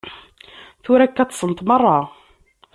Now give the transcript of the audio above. Tura akka ṭṭsent merra.